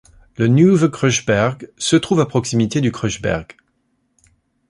Le Nieuwe Kruisberg se trouve à proximité du Kruisberg.